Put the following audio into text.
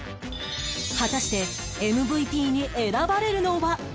果たして ＭＶＰ に選ばれるのは？